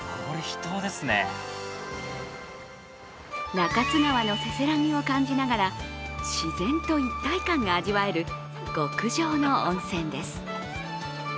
中津川のせせらぎを感じながら自然と一体感が味わえる極上の温泉です。